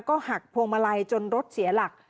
ก็หักพวงมาลัยจนรถเสียหลัก